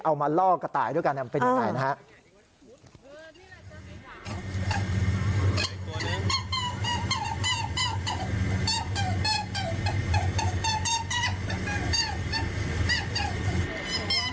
มาล่อกระต่ายด้วยกันมันเป็นยังไงนะครับ